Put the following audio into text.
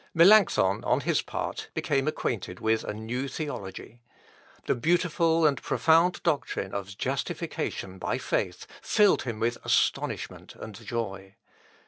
Melancthon, on his part, became acquainted with a new theology. The beautiful and profound doctrine of justification by faith filled him with astonishment and joy.